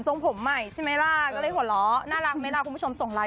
ส่งผมใหม่ใช่ไหมล่ะก็เลยหัวเราะน่ารักไหมล่ะคุณผู้ชมส่งไลน์